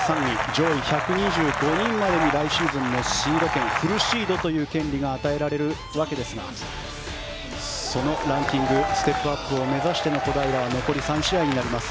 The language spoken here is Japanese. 上位１２５人までに来シーズンもシード権、フルシードという権利が与えられるわけですがそのランキングステップアップを目指しての小平は残り３試合となります。